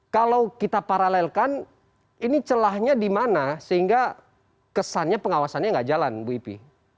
kalau kita paralelkan ini celahnya di mana sehingga kesannya pengawasannya nggak jalan bu ipi